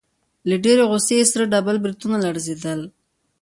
له ډېرې غوسې يې سره ډبل برېتونه لړزېدل.